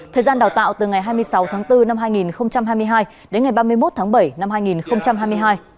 thời gian đào tạo từ ngày hai mươi sáu tháng bốn năm hai nghìn hai mươi hai đến ngày ba mươi một tháng bảy năm hai nghìn hai mươi hai